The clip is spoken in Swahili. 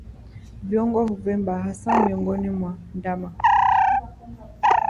Viungo kuvimba hasa miongoni mwa ndama